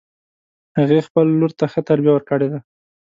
هغې خپل لور ته ښه تربیه ورکړې ده